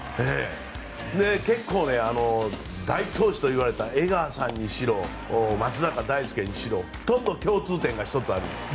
結構、大投手といわれた江川さんにしろ松坂大輔にしろ、共通点が１つあるんです。